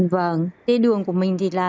vâng thế đường của mình thì là